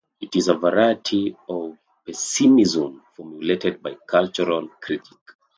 It is a variety of pessimism formulated by a cultural critic.